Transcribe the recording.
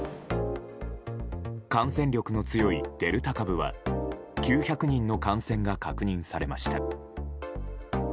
感染力の強いデルタ株は９００人の感染が確認されました。